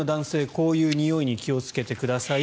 こういうにおいに気をつけてください。